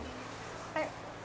はい。